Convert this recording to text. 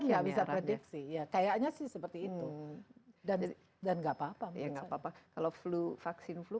nggak bisa prediksi ya kayaknya sih seperti itu dan dan nggak apa apa kalau flu vaksin flu